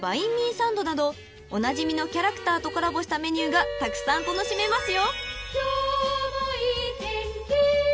［おなじみのキャラクターとコラボしたメニューがたくさん楽しめますよ］